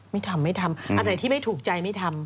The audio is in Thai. ไม่ทำไม่ทำอันไหนที่ไม่ถูกใจไม่ทำ